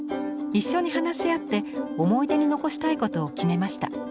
一緒に話し合って思い出に残したいことを決めました。